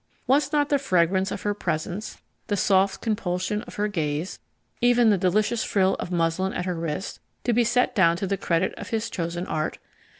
Was not the fragrance of her presence, the soft compulsion of her gaze, even the delirious frill of muslin at her wrist, to be set down to the credit of his chosen art?